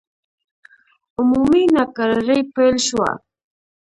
عمومي ناکراري پیل شوه.